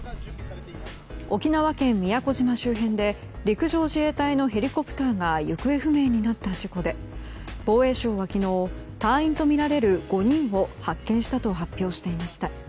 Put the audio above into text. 沖縄県宮古島周辺で陸上自衛隊のヘリコプターが行方不明になった事故で防衛省は昨日隊員とみられる５人を発見したと発表していました。